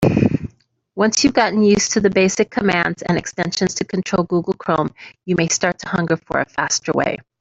Once you've gotten used to the basic commands and extensions to control Google Chrome, you may start to hunger for a faster way.